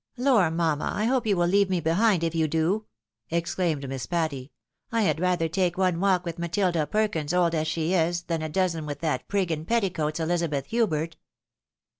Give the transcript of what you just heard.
" Lor, mamma, I hope you will leave me behind if you do !" exclaimed Miss Patty. " I had rather take one walk with Matilda Perkins, old as she is, than a dozen with that prig in petticoats, Elizabeth Hubert."